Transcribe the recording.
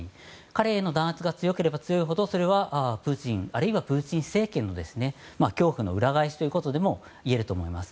彼への弾圧が強ければ強いほどそれは、プーチンあるいはプーチン政権の恐怖の裏返しということでもいえると思います。